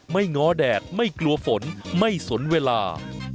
ง้อแดดไม่กลัวฝนไม่สนเวลา